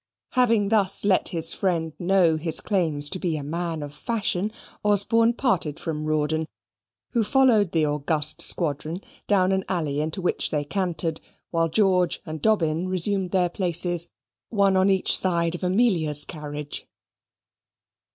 Having thus let his friend know his claims to be a man of fashion, Osborne parted from Rawdon, who followed the august squadron down an alley into which they cantered, while George and Dobbin resumed their places, one on each side of Amelia's carriage.